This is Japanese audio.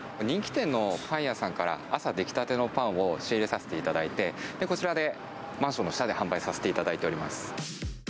人気店のパン屋さんから、朝、出来たてのパンを仕入れさせていただいて、こちらで、マンションの下で販売させていただいております。